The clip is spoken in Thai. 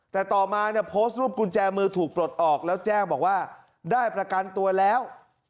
แต่ต่อมาเนี่ยโพสต์รูปกุญแจมือถูกปลดออกแล้วแจ้งบอกว่าได้ประกันตัวแล้ว